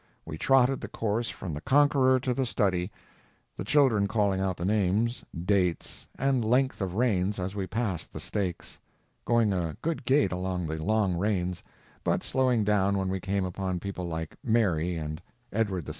We trotted the course from the conqueror to the study, the children calling out the names, dates, and length of reigns as we passed the stakes, going a good gait along the long reigns, but slowing down when we came upon people like Mary and Edward VI.